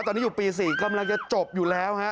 ตอนนี้อยู่ปี๔กำลังจะจบอยู่แล้วฮะ